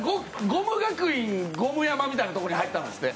ゴム学院ゴム山みたいなところに入ったんですって。